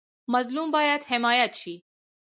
مظلوم باید حمایت شي